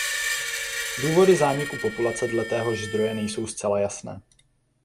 Důvody zániku populace dle téhož zdroje nejsou zcela jasné.